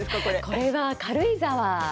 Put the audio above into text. これは軽井沢の。